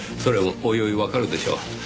それもおいおいわかるでしょう。